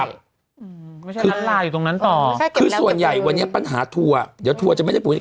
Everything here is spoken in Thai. ไม่ใช่นั้นล่าอยู่ตรงนั้นต่อคือส่วนใหญ่วันนี้ปัญหาทัวร์เดี๋ยวทัวร์จะไม่ได้ปรุง